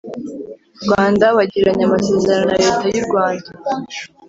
Rwanda wagiranye amasezerano na Leta y urwanda